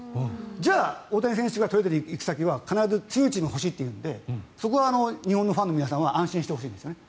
じゃあ、大谷選手がトレードで行く先は必ず強いチームが欲しいというのでそこは日本のファンの皆さんは安心してほしいんです。